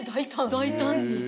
大胆に。